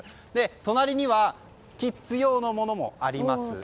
隣にはキッズ用のものもあります。